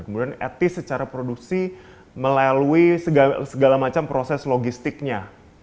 kemudian etis secara produksi melalui segala macam proses logistiknya